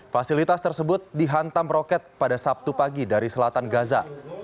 fasilitas tersebut dihantam roket pada sabtu pagi dari selatan gaza